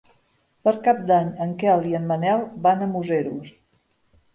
Per Cap d'Any en Quel i en Manel van a Museros.